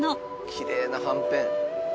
きれいなはんぺん。